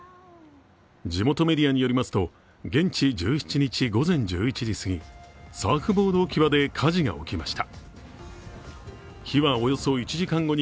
地元メディアによりますと現地１７日午前１１時すぎサーフボード置き場で火事が起きました。